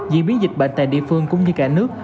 vì miễn dịch bệnh tại địa phương cũng như cả nước